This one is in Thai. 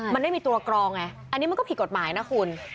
มันไม่มีตัวกรองไงอันนี้มันก็ผิดกฎหมายนะคุณ